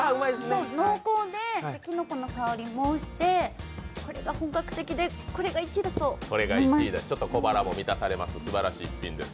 濃厚できのこの香りもしてこれが本格的で、これが１位だと思います。